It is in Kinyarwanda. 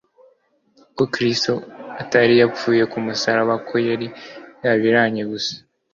ko Kristo atari yapfuye ku musaraba, ko yari yarabiranye gusa,